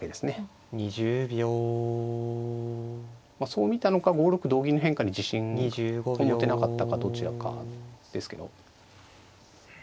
そう見たのか５六同銀の変化に自信を持てなかったかどちらかですけど。